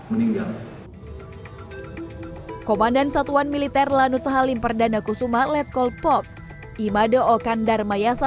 meninggal komandan satuan militer lanut halim perdana kusuma let cold pop imado okan darmayasa